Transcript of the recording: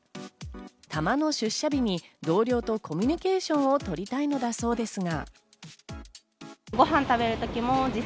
たまの出社日に同僚とコミュニケーションを取りたいのだそうですが。